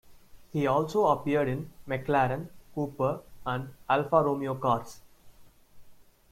He also appeared in McLaren, Cooper and Alfa Romeo cars.